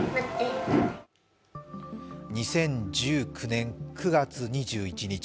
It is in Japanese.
２０１９年９月２１日。